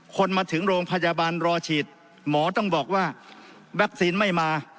คนมาถึงโรงพยาบาลรอฉีดหมอต้องบอกว่าวัคซีนไม่มา